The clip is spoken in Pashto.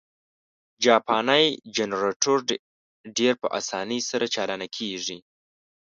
جاپانی جنرټور ډېر په اسانۍ سره چالانه کېږي.